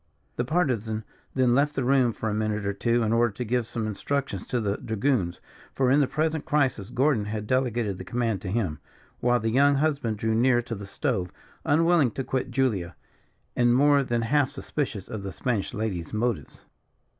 The Partisan then left the room for a minute or two, in order to give some instructions to the dragoons; for, in the present crisis Gordon had delegated the command to him; while the young husband drew near to the stove, unwilling to quit Julia, and more than half suspicious of the Spanish lady's motives.